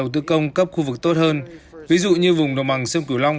tốt hơn ví dụ như vùng đồng bằng sơn cửu long